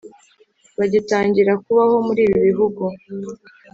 bagitangira kubaho muri ibi bihugu!